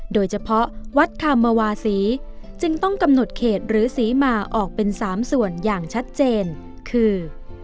โดยเฉพาะวัดคามวาศีจึงต้องกำหนดเขตหรือศรีมาออกเป็น๓ส่วนอย่างชัดเจนคือ